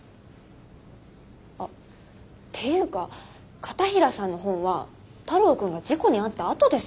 あっていうか片平さんの本は太郎君が事故に遭ったあとですよ。